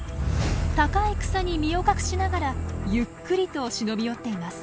高い草に身を隠しながらゆっくりと忍び寄っています。